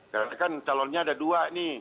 karena kan calonnya ada dua nih